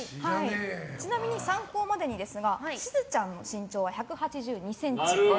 ちなみに参考までにですがしずちゃんの身長は１８２ｃｍ。